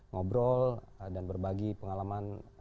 ngobrol dan berbagi pengalaman